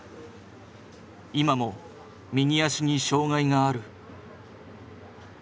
今も右足に障がいがある。